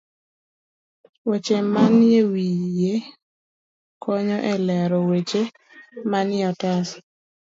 Weche manie wiye konyo e lero weche manie otas.